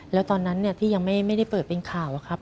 แล้วตอนนั้นที่ยังไม่ได้เปิดเป็นข่าวอะครับ